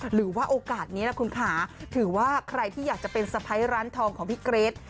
หรือว่าโอกาสนี้นะคุณค่ะถือว่าใครที่อยากจะเป็นสะพ้ายร้านทองของพี่เกรท